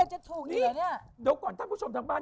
เดี๋ยวก่อนท่านผู้ชมทางบ้าน